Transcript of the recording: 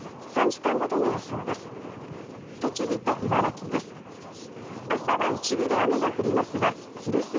３時間ごとの予想です。